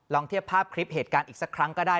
เทียบภาพคลิปเหตุการณ์อีกสักครั้งก็ได้